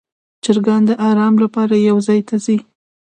چرګان د آرام لپاره یو ځای ته ځي.